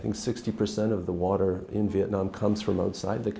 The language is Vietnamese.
không chỉ có sự sáng tạo